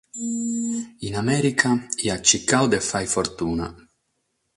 In Amèrica aiat chircadu de fàghere fortuna.